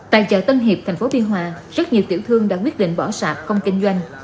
tại chợ tân hiệp tp biên hòa rất nhiều tiểu thương đã quyết định bỏ sạp không kinh doanh